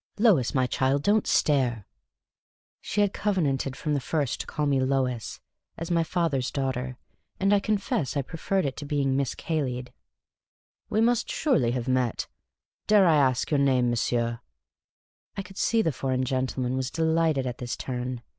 "Lois, my child, don't stare" — she had covenanted from the first to call me Lois, as my father's daughter, and I confess I preferred it to being Miss Cayley'd. We must surely have met. Dare I ask your name, monsieur ?'' I could see the foreign gentleman was delighted at this turn.